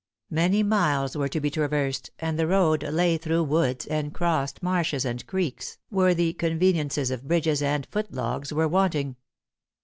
Many miles were to be traversed, and the road lay through woods, and crossed marshes and creeks, where the conveniences of bridges and foot logs were wanting.